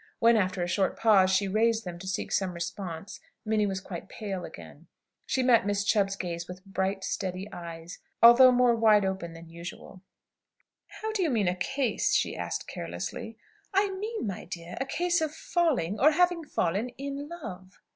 When, after a short pause, she raised them to seek some response, Minnie was quite pale again. She met Miss Chubb's gaze with bright, steady eyes, a thought more wide open than usual. "How do you mean 'a case'?" she asked carelessly. "I mean, my dear, a case of falling, or having fallen, in love."